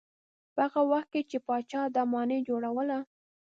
په هغه وخت کې چې پاچا دا ماڼۍ جوړوله.